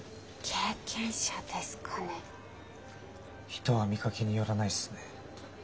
人は見かけによらないっすね。